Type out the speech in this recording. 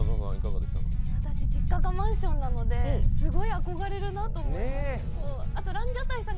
私、実家がマンションなのですごい憧れるなと思いました。